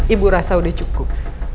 ibu rasa udah cukup